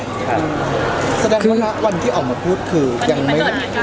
สำหรับวันที่ออกมาพูดคือ